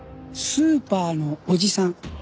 スーパーのおじさん！